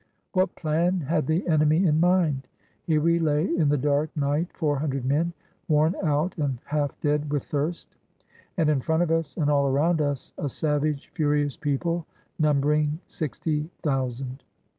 What plan had the enemy in mind? Here we lay in the dark night, four hundred men, worn out, and half dead with thirst ; and in front of us and all around us a savage, furious people numbering sixty thousand.